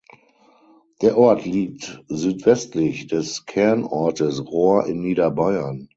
Der Ort liegt südwestlich des Kernortes Rohr in Niederbayern.